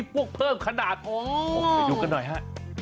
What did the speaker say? พวกเค้าอยู่กันหน่อยฮะ